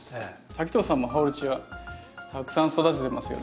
滝藤さんもハオルチアたくさん育ててますよね？